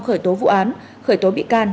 khởi tố vụ án khởi tố bị can